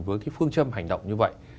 với cái phương châm hành động như vậy